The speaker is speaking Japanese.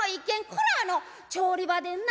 これあの調理場でんな。